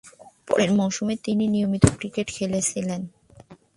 পরের মৌসুমে তিনি নিয়মিত ক্রিকেট খেলেছিলেন।